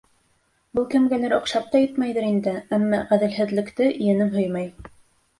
Был кемгәлер оҡшап та етмәйҙер инде, әммә ғәҙелһеҙлекте енем һөймәй.